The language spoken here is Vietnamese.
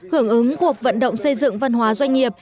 hưởng ứng cuộc vận động xây dựng văn hóa doanh nghiệp